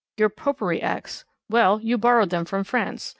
Your Popery Acts! Well, you borrowed them from France.